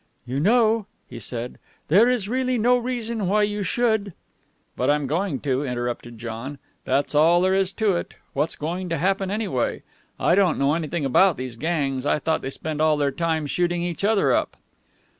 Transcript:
"You know," he said, "there is really no reason why you should " "But I'm going to," interrupted John. "That's all there is to it. What's going to happen, anyway? I don't know anything about these gangs. I thought they spent all their time shooting each other up."